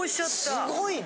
すごいね！